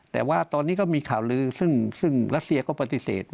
แต่ว่าตอนนี้ก็มีข่าวลือซึ่งรัสเซียก็ปฏิเสธ